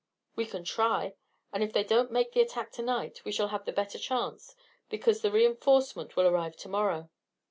"We can try. And if they don't make the attack to night, we shall have the better chance, because the reinforcement will arrive to morrow.